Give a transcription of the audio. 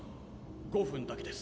５分だけです。